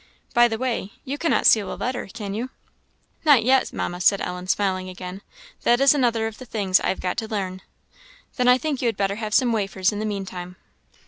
By the way, you cannot seal a letter, can you?" "Not yet, Mamma," said Ellen, smiling again; "that is another of the things I have got to learn." "Then I think you had better have some wafers in the mean time."